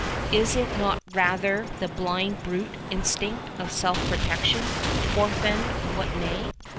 Is it not rather the blind brute instinct of self protection, forfend what may?